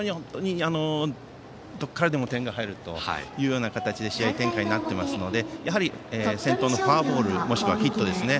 どこからでも点が入るような試合展開になっていますのでやはり、先頭のフォアボールもしくはヒットですね。